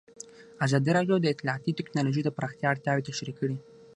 ازادي راډیو د اطلاعاتی تکنالوژي د پراختیا اړتیاوې تشریح کړي.